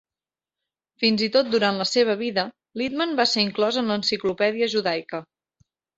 Fins i tot durant la seva vida, Littmann va ser inclòs en l'Enciclopèdia Judaica.